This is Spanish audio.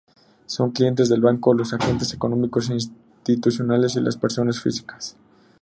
Son clientes del banco los agentes económicos e institucionales y las personas físicas.